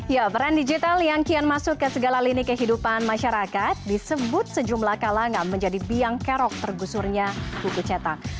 ya peran digital yang kian masuk ke segala lini kehidupan masyarakat disebut sejumlah kalangan menjadi biang kerok tergusurnya buku cetak